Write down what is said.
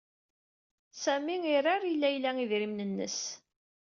Sami irar i Layla idrimn nns